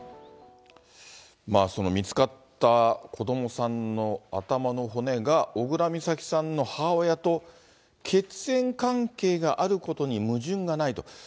見つかった子どもさんの頭の骨が、小倉美咲さんの母親と血縁関係があることに矛盾がないと。